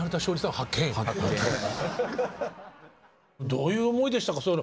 どういう思いでしたか？